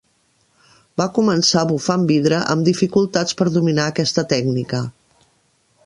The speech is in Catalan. Va començar bufant vidre, amb dificultats per dominar aquesta tècnica.